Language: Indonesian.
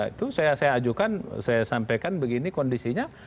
itu saya ajukan saya sampaikan begini kondisinya